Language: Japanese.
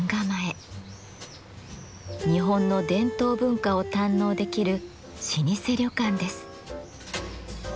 日本の伝統文化を堪能できる老舗旅館です。